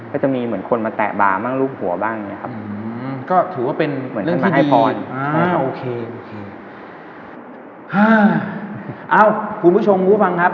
ก็จะมีคนมาแปะบาล